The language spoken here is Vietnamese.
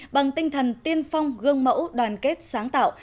bằng tinh thần tiên phong gương mẫu đoàn kết sáng tạo